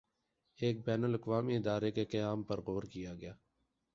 ایک بین الاقوامی ادارے کے قیام پر غور کیا گیا